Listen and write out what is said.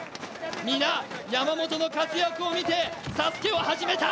皆、山本の活躍を見てＳＡＳＵＫＥを始めた。